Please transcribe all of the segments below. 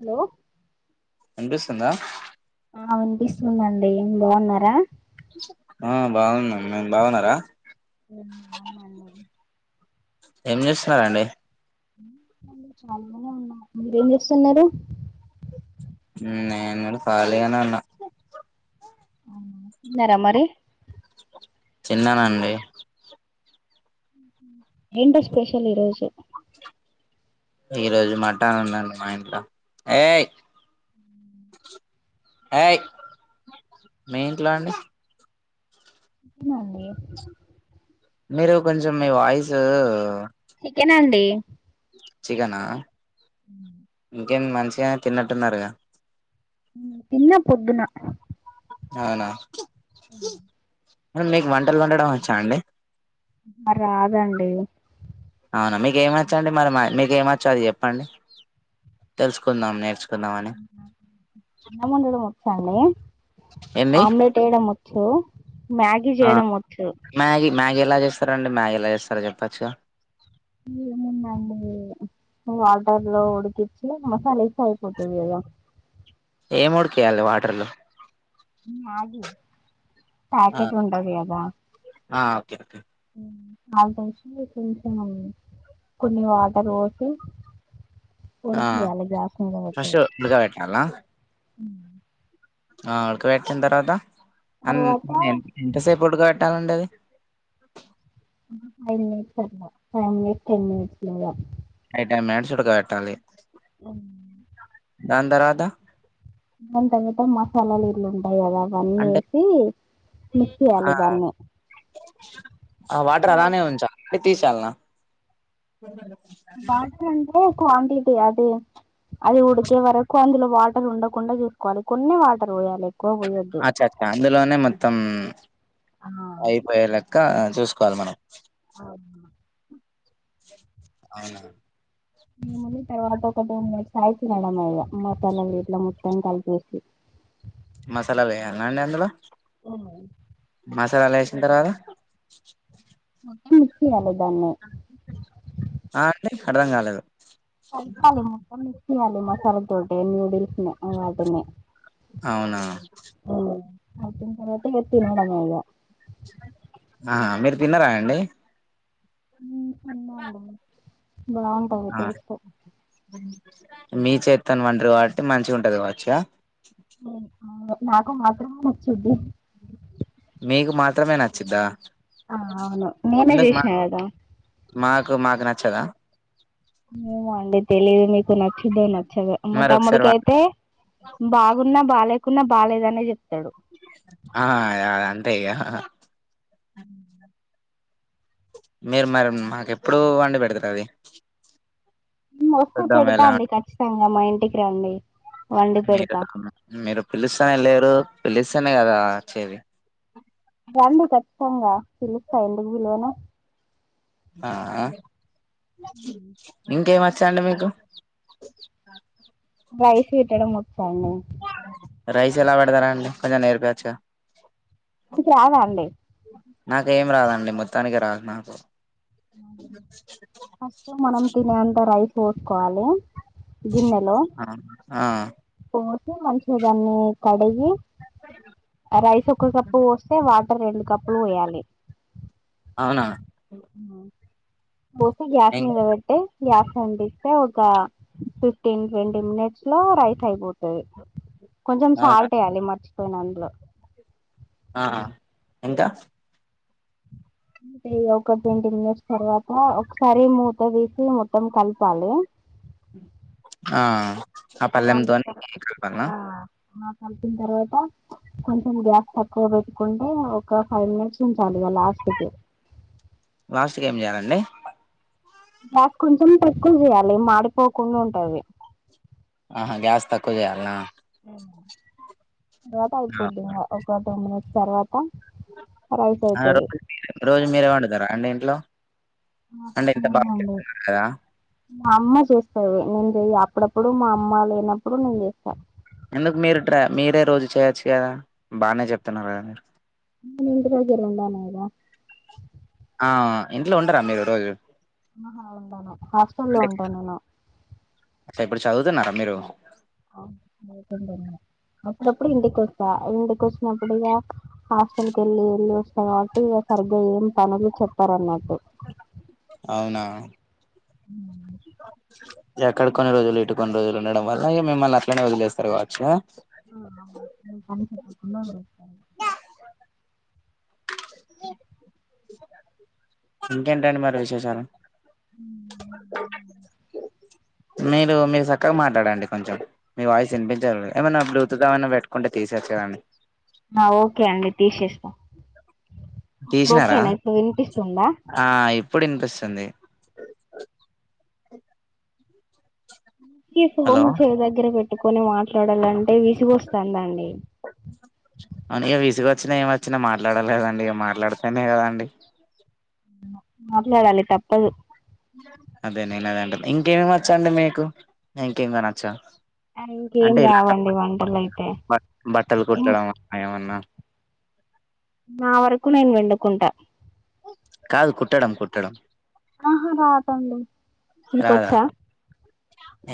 Hello వినిపిస్తుందా ఆ వినిపిస్తుందండి, బాగున్నారా ఆ బాగున్నం, మీరు బాగున్నారా? ఏం [unintelligible] ఏం చేస్తున్నారండి మీరేం చేస్తున్నారు? ఉమ్ నేను కూడా ఖాలిగనే ఉన్న తిన్నార మరి. చిన్నవండి ఏంటి స్పెషల్ ఈ రోజు ఈ రోజు మటన్ ఉందండి మా ఇంట్లో ఏయ్ ఏయ్ మీ ఇంట్లో అండి [unintelligible] [unintelligible] మీరు కొంచెం మీ వాయిసు చికెన్ అండి. చికనా ఇంకేం మంచిగ తిన్నట్టున్నారుగా తిన్న పొద్దున అవునా [inaudible] మీకు వంటలు వండడం వచ్చా అండి. రాదండి అవునా మీకేమచండి మరి మీకేమచ్చు అది చెప్పండి, తెలుసుకుందాం. నేర్చుకుందామని. చాలయే ఏంది ఆమ్లెట్ ఏయడం వచ్చు. మ్యాగీ ఆ చేయడం వచ్చదు మ్యాగీ మ్యాగీ ఎలా చేస్తారా అండి మ్యాగీ ఎలా చేస్తారా చెప్పచ్చు ఏముందండి వాటర్ లో ఉడికించి మసాలా ఇస్ అయిపోతుది కదా ఏ మోడికియాలి వాటర్లో అగే పేజ ఉండది అదా ఆ ఓకే ఓకే వాష కొంచ కొన్ని వాటర్ రోసు ఆ ఫస్ట్ బడుగా వెట్నాల ఉ ఆకి వ్యాట తర్వాత అమ్ తర్వాత ఒక ఎంతసేపు ఉడుక [unintelligible] ఫైవ్ మట్స్ టెన్ మిట్స్ లోద అయి ట మేడ్ చుడక పెట్టాలి అ అంద రాధా ఏ తగతే మసాలాలు ఇర్ల అలాగా అన్న అంటే వేసి ఆ మిచ్చయ్యాలి దాన్ని ఆ వాటర్ తర్వాత అలానే ఉంచా ఎటి చాలనా బాంట క్వాంటిటీ అది అది ఉడికే వరకు అందులో వాటర్ ఉండకుండా చూసుకోవాలి కొన్ని వాటర్ పోయాలి ఎక్కువ పోయొద్దు అచ్చా అచ్చా అందులోనే మొత్తం ఆ! అయిపోయేలా ఇంకా చూసుకోవాలి మనం అవును. అవునా నముంది తర్వాత ఒక మ సాయత నేడమ్ మ అ ఇ ముట్టం కలిపికి మసాలాలుేయాల అండి అందులో అ సార్ అలా వేసిన తర్వాత ఖ అాల ఇదన్నే ఆ అంటే అర్థం కాలేదు స్ల్ప అాల మొత్తం మిక్సియాల మసాలా దొడ్డే నరు బిఫ వాడునే అవునా తి పట ఎత్తి మేడమా ఇగ ఆ మీరు తిన్నారా అండి తన్న ఉంట బాగుంటాంది ఆ టేస్ట్ మీ చేత్తోను వండరు కాబట్టి మంచిగ ఉంటది కావచ్చా అవు నాకు మాత్రమే వచ్చది మీకు మాత్రమే నచ్చిద్దా ఆ అవును నేనే ఎందుకు మా చేసినా గదా మాకు నచ్చదా ఏమో అండి తెలీదు మీకు నచ్చుద్దో నచ్ చేది మా మరి ఒకసారి తమ్ముడికి వ అయితే బాగు న్నా బా లేకున్నా బాగాలేద అనే చెప్తాడు ఆ ఆ అంతే ఇక అ మీరు మరి మాకెప్పుడు వండి పెడతరు అది వస్తే చూద్దాం పెడతా ఎలా అండి ఖచ్చితంగా మా ఇం ఇంటి కి రండి వండి మీరు పెడతా మీరు పిలుస్తనే లేరు పిలిస్ తింటేనే కదా నచ్చేది రండి ఖచ్చతంగా పిలుస్తా ఎందుకు పిలువను ఆ ఉమ్, ఇంకే మా చండ మీకు రైస్ పెట్టడం ము టైము రైస్ ఎలా పెడతారా అండి కొంచెం నేర్పీయోచ్చుగా మీకు రావాఅండి నాకేం రాదండి మొత్తానికి రాదు నాకు ఫస్ట్ మనం తినేంత రైస్ తోట్కోవాలి గిన్నెలో ఆ ఆ పో మంచిగా దాన్ని కడిగి రైస్ ఒక కప్పు పోస్తే వా ఇ రెండు కప్పులు పోయాలి అవునా ఆ పప్పు గ్యాస్ ఇం మీద పెడితే గ్యాస్ అంటిస్తే ఒక ఫిఫ్టీన్ ట్వంటీ మినిట్స్ లో రైస్ అయిపోతుంది కొంచెం అవునా సాల్ట్ వేయాలి మర్చి పెనంలో ఆహ్ ఎంత. అంటే ఒక ట్వంటీ మినిట్స్ తర్వాత ఒకసారి మూత తీసి మొత్తం కలపాలి. ఆహ్ ఆ పల్లం మళ్ళీ తోని కలపాలాన. ఆ కలిపిన తర్వాత కొంచెం గ్యాస్ తక్కువ పెట్టుకుంటే ఒక ఫైవ్ మినిట్స్ ఉంచాలి ఇంకా లాస్ట్ కి లాస్ట్ కి ఏం చేయాలండి. గ్యాస్ కొంచెం తక్కువ చేయాలి మాడిపోకుండా ఉంటది. ఆహా గ్యాస్ తక్కువ చేయాల్నా. గ్యాస్ అయిపోద్దీ ఇంకా ఒక టెన్ మినిట్స్. తర్వా ఆ రోజు రోజు మీరే వండుతారా అండి ఇంట్లో ఆహా అంటే ఎంత బాగా లేదండి చెప్తున్నారు కదా మా అమ్మ చేస్తాది నేను చెయ్య. అప్పుడప్పుడు మా అమ్మ లేనప్పుడు నేను చేస్తా. ఎందుకు మీరు డ్రా మీరే రోజు చేయచ్చు కదా బానే చెప్తున్నారు కదా మీరు. ఇంటిదగ్గర ఉంది అన్నావు కదా. ఆహ్ ఇంట్లో ఉండారా మీరు రోజు. ఆహా ఉండాను హాస్టల్ లో ఉంటా నేను. అంటే ఇప్పుడు చదువుతున్నారా మీరు. అప్పుడప్పుడు ఇంటికి ఇంటికి వచ్చినప్పుడిక హాస్టల్ కి వెళ్ళి వెళ్ళి వస్తా కాబట్టి ఇక సరిగ్గా ఏం పనులు చెప్పారు అన్నట్టు. అవునా. ఉమ్ ఎక్కడ కొన్ని రోజులు ఇటు కొన్ని రోజులు ఉండడం వల్ల ఇగ మిమ్మల్ని అట్లనే వదిలేస్తారు కావచ్చు ఆహ్ ఆహ్ నీ పని చెప్పకుండా కూడా వస్తది. ఇంకేంటండి మరి విశేషాలు. మీరు మీరు చక్కగా మాట్లాడండి కొంచెం మీ వాయిస్ వినిపించాట లేదు ఏమైన్నా బ్లూటూత్ ఏమైనా పెట్టుకుంటే తీసేయవచ్చు కదండి. ఓకే అండి తీసేస్తా. తీసినారా ఓకేనా ఇప్పుడు వినిపిస్తుందా. ఆ ఇప్పుడు వినిపిస్తుంది. తీసీ హలో నువ్వు చెయ్యి దగ్గర పెట్ కొని మాట్లాడాలంటే విసిగు వస్తుందండి. అవును ఇక విసుక వచ్చినా ఏమి వచ్చినా మాట్లాడాలే కదాండి ఇగ మాట్లాడితేనే కదాండి. మాట్లాడాలి తప్పదు. అదే నేను అదే అంటున్నా ఇంకేమేమి వచ్చాండి మీకు ఇంకేమైన వచ్చా. ఇంకేం అంటే ఇలా రావండి వంటలు అయితే బ బట్టలు ఇంక్ కుట్టడం అలా ఏమన్నా నా వరకు నేను వండుకుంటా. కాదు కుట్టడం కుట్టడం. ఆహా రాదండి మీక రాదా వచ్చా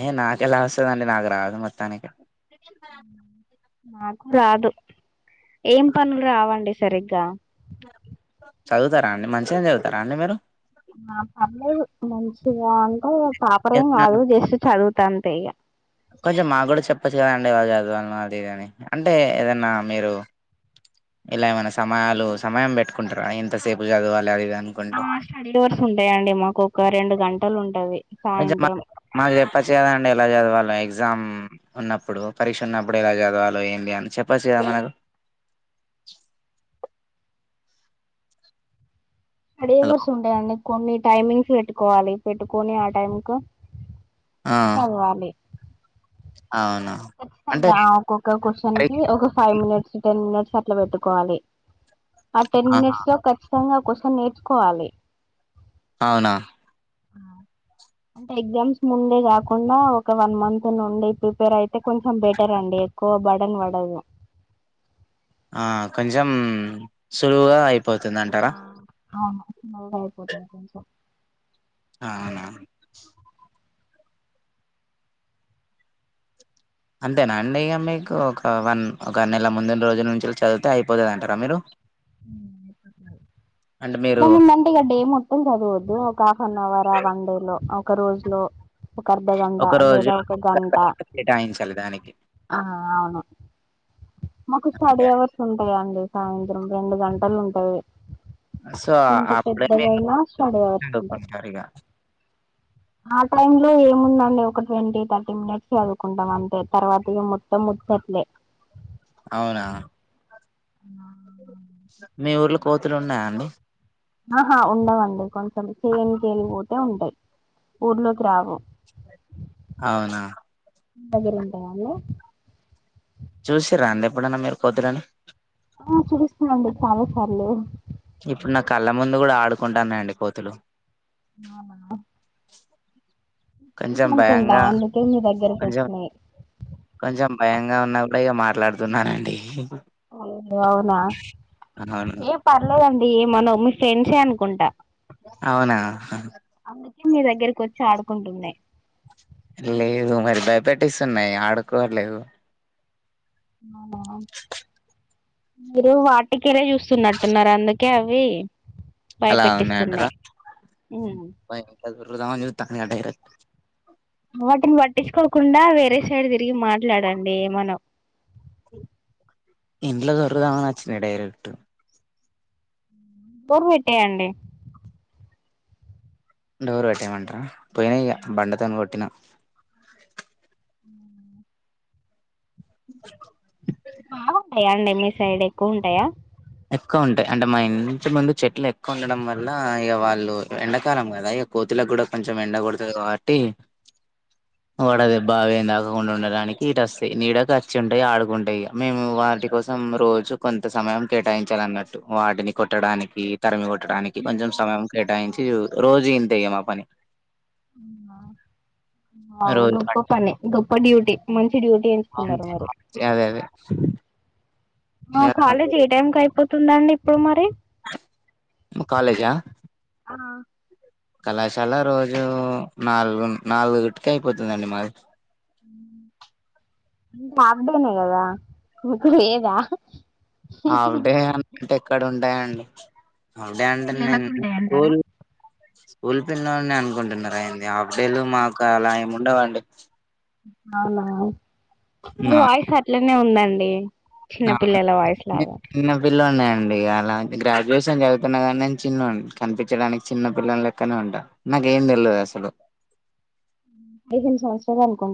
ఏ నాక ఎలా వస్తుందండి నాకు రాదు మొత్తానికి నాకు రాదు ఏం పనులు రావండి సరిగ్గా చదువుతారా అండి మంచిగాం చదువుతారా అండి మీరు ఆ పర్లేదు మంచిది అంటే పాపర ఏం ఏదన్నా కాదు చేస్త చదువు త్తంతె ఇగా కొంచెం మాకు కూడా చెప్పొచ్చు కదండి వాళ్ళు చదివాలను అది ఇదిని అంటే ఏదన్నా మీరు ఇలా ఏమైనా సమయాలు సమయం పెట్టుకుంటారా ఎంతసేపు చదవాలి అది ఆ అనుకుంటూ స్టడీ అవర్స్ ఉంటాయండి మాకు ఒక రెండు గంటలు ఉంటవి అయ్యా మా మాకు చెప్పొచ్చు కదా. కదండి ఎలా చదవాలో ఎగ్జామ్ ఉన్నప్పుడు పరీక్ష ఉన్నప్పుడు ఎలా చదవాలో ఏంటి అని చెప్పొచ్చు కదా మనకు. అదీ ఏం హలో వర్షం ఉంటాయండి. కొన్ని టైమింగ్స్ పెట్టుకోవాలి పెట్టుకొని ఆ టైం క ఆ చదవాలి అవునా అంటే ఒక్కొక్క మరి కోషన్కి ఒక ఫైవ్ మినిట్స్ టెన్ మినిట్స్ క అట్ల పెట్టుకోవాలి ఆ టెన్ ఆహా! మినిట్స్ లో ఖచ్చితంగా కోసం నేర్చుకోవాలి అవునా అంటే ఎగ్జామ్స్ ముందే కాకుండా ఒక వన్ మంత్ నుండి ప్రిపేర్ అయితే కొంచెం బెటర్ అండి ఎక్కువ బడన్ పడదు ఆ కొంచం సులువుగా పోతుంది అంటారా అవును ఆగాయిపోతు కొ అ అవునా అంతేనా అండి ఇక మీకు ఒక వన్ ఒక ఆరు నెలల ముందు రోజు నుంచి చదివితే అయిపోతుందటారా మీరు అంటే మీరు ఎలాందంటే ఇక డే మొత్తం చదవద్దు ఒక హాఫ్ అన్ అవరా వన్ డే లో ఒక్క రోజు లో ఒక అర్ధగంట ఒక రోజు లేదా ఒక గంట కేటాయించాలి దానికి. ఆ అవును మాకు స్టడీ అంతే. అవర్స్ ఉంటా అండి సాయంత్రం రెండు గంటలు ఉంటాయి సో ఇంత అప్పుడ పెద్దగైనా స్టడీ అవర్స్ ఉంటాయి చదువుకుంటారు ఇక ఆ టైమ్ లో ఏముందండి ఒక ట్వంటీ థర్టీ మినిట్స్ చదువుకుంటాం అంతే తర్వాత మొత్తం ముచ్చట్లే అవునా ఆ మీ ఊర్లో కోతులు ఉన్నాయా అండి ఆహా ఉండవండి కొంచెం చేలు చేలు పూటే ఉంటాయి ఊర్లోకి రావు అవునా అగర ఉంటాయా అండి చూసి రాంది ఎప్పుడన్నా మీరు కుద్దురని ఆ చూస్ండి చాల చల్లు ఇప్పుడు నా కళ్ళ ముందు కూడా ఆడుకుంటానండి కోతులు ఆవు ఎ కొంచెం అనుకుంటా భయంగా అందుకే మీ దగ్గరకు కొంచెం వచ్చినాయి కొంచెం భయంగా ఉన్నప్పుడు ఇక మాట్లాడుతున్నానండి ఓ అవునా అవును ఏ పర్లేదండి మనం మీ ఫ్రెండ్సే అనుకుంటా అవునా అందుకే మీ దగ్గరకు వచ్చి ఆడుకుంటున్నాయి లేదు మరి భయపెట్స్తున్నాయి ఆడుకోవలేదు అ మీరు వాటికర చూస్తున్నట్టున్నారు అందుకే అవి అలా ఉవున్నా అంట్రా భయపెట్టిస్తున్నాయి ఉమ్. [unintelligible] వాటిని పట్టించుకోకుండా వేరే సైడ్ తిరిగి మాట్లాడండి మనం ఇంట్లో చరుదాచ్చన్నడైలు ఇట్టు రు పెట్టేయండి డోరు గట్టేమంటరా పోయినా ఇక బండతను కొట్టిన [unintelligible] బాగుంటాయా అండి మీ సైడ్ ఎక్కువ ఉంటాయా ఎక్కువ ఉంటాయి అంటే మా ఇంటి ముందు చెట్లు ఎక్కువ ఉండడం వల్ల ఇక వాళ్ళు ఎండాకాలం కదా ఇక కోతులకు కూడా కొంచెం ఎండ కొడుతుంది కాబట్టి వాడదు బావి ఏం తాకకుండా ఉండడానికి ఇటు వస్తాయి నీడ ఖర్చ్చి ఉంటాయి ఆడుకుంటాయి ఇ మేము వాటి కోసం రోజు కొంత సమయం కేటాయించాలిన్నట్టు వాటిని కొట్టడానికి తరిమి కూడా ట్టడానికి కొంచెం సమయం కేటాయించి రోజు ఇంతేయ్యమా పని అ అ గొప్ప పని గొప్ప డ్యూటీ మంచి డ్యూటీ ఎంచుకున్నారు మీరు చి అదే అదే కాలేజ్ ఏ టైమ్ క అయిపోతు స్తుందండి ఇప్పుడు మరి కాలేజా ఆ కళాశాల రోజు నాలుగు నాలుగుగుట్క అయిపోతుందండి మాది ం ఆప్డేనే కదా ఇకుడు లేదా ఆవిడే అ అంటే ఎక్కడ ఉండే అంటే అండి హాలిడే అంటే నేను పిల్లలకు ఉంటాయి అంటారా రోజా స్కూల్ పిల్లోడిని అనుకుంటున్నారెంది. హాఫ్ డే లు మాకు అలా ఏముండవండి. హలో మీ వాయిస్ అట్లనే ఉందండి. [unintelligible] చిన్నపిల్లల వాయిస్ లాగా చిన్న పిల్లన్నే అండి అలా గ్రాడ్యుయేషన్ చదువుతున్నా గానీ నేను చిన్నోనీ కనిపించడానికి చిన్న పిల్లల లెక్కనే ఉంటా నాకు ఏం తెలువది అస్సలు ఎనిమిది సంవత్సరాలు అనుకుంట